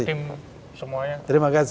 salam untuk tim semuanya